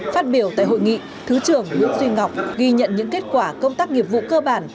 phát biểu tại hội nghị thứ trưởng nguyễn duy ngọc ghi nhận những kết quả công tác nghiệp vụ cơ bản